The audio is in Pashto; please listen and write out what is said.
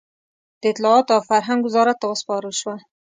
د اطلاعاتو او فرهنګ وزارت ته وسپارل شوه.